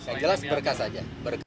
yang jelas berkas saja